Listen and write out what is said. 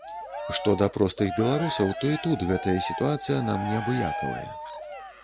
Што да простых беларусаў, то і тут гэтая сітуацыя нам неабыякавая.